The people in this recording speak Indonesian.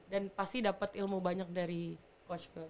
dan pasti dapat ilmu banyak dari coach phil